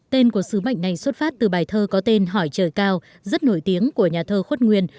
tên của sứ mệnh này xuất phát từ bài thơ có tên hỏi trời cao rất nổi tiếng của nhà thơ khuất nguyên